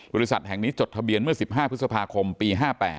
บริษัทแห่งนี้จดทะเบียนเมื่อ๑๕พฤษภาคมปี๕๘